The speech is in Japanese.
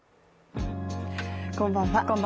こんばんは。